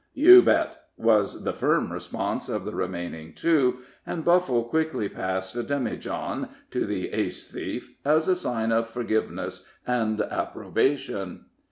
"You bet," was the firm response of the remaining two, and Buffle quickly passed a demijohn, to the ace thief, as a sign of forgiveness and approbation.